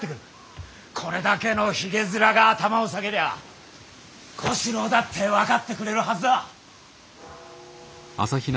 これだけのひげ面が頭を下げりゃ小四郎だって分かってくれるはずだ。